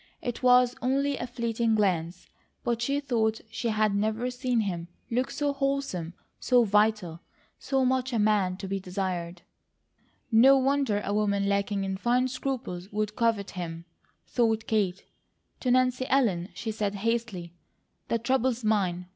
It was only a fleeting glance, but she thought she had never seen him look so wholesome, so vital, so much a man to be desired. "No wonder a woman lacking in fine scruples would covet him," thought Kate. To Nancy Ellen she said hastily: "The trouble's mine.